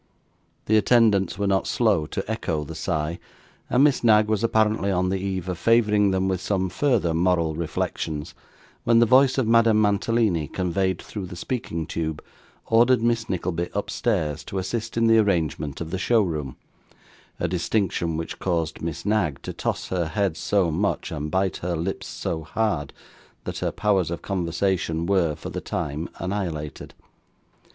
The attendants were not slow to echo the sigh, and Miss Knag was apparently on the eve of favouring them with some further moral reflections, when the voice of Madame Mantalini, conveyed through the speaking tube, ordered Miss Nickleby upstairs to assist in the arrangement of the show room; a distinction which caused Miss Knag to toss her head so much, and bite her lips so hard, that her powers of conversation were, for the time, annihilated.